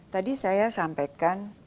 tadi saya sampaikan